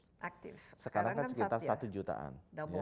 sekarang kan sekitar satu jutaan